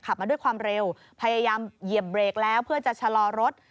มาด้วยความเร็วพยายามเหยียบเบรกแล้วเพื่อจะชะลอรถ